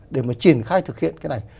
để mà triển khai thực hiện cái này